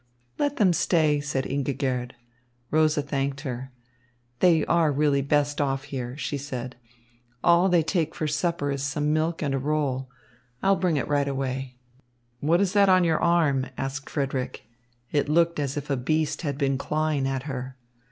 "Let them stay," said Ingigerd. Rosa thanked her. "They are really best off here," she said. "All they take for supper is some milk and a roll. I will bring it right away." "What is that on your arm?" asked Frederick. It looked as if a beast had been clawing at her.